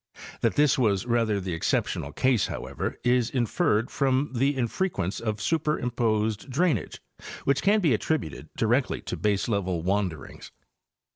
That this was rather the exceptional case, however, is inferred from the infre quence of superimposed drainage which can be attributed di rectly to baselevel wanderings.